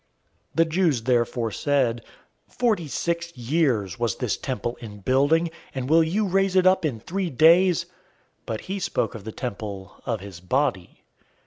002:020 The Jews therefore said, "Forty six years was this temple in building, and will you raise it up in three days?" 002:021 But he spoke of the temple of his body.